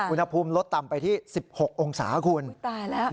อุณหภูมิลดต่ำไปที่๑๖องศาคูณ